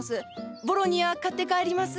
ボロニア買って帰ります。